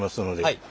はい。